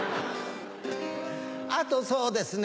あとそうですね